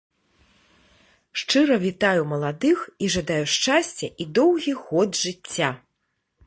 Шчыра вітаю маладых і жадаю шчасця і доўгіх год жыцця!